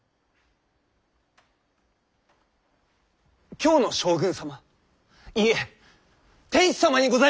京の将軍様いいえ天子様にございます！